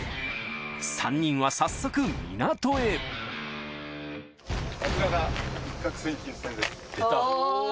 ３人は早速港へおぉ。